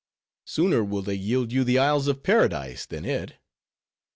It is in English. Sooner will they yield you the isles of Paradise, than it.